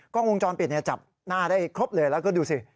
กล้องวงจรปิดจับหน้าได้ครบเลยแล้วก็ดูสิ